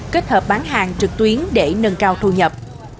kết hợp bán hàng trực tuyến để nâng cao thu nhập